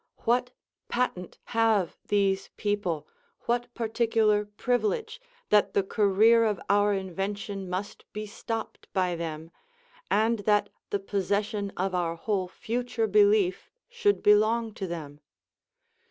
What patent have these people, what particular privilege, that the career of our invention must be stopped by them, and that the possession of our whole future belief should belong to them?